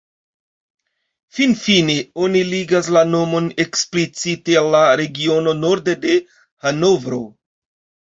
Finfine oni ligas la nomon eksplicite al la regiono norde de Hanovro.